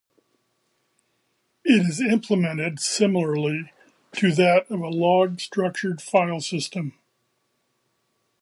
It is implemented similarly to that of a log-structured file system.